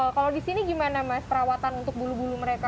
kalau di sini gimana mas perawatan untuk bulu bulu mereka